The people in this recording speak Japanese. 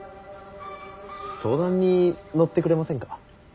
相談に乗ってくれませんか。